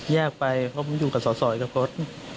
แยกไปเพราะผมอยู่กับสศกระพฤษ